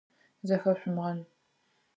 Зыхэшъумгъэн.